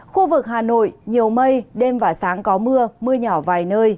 khu vực hà nội nhiều mây đêm và sáng có mưa mưa nhỏ vài nơi